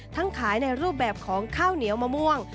ขายในรูปแบบของข้าวเหนียวมะม่วง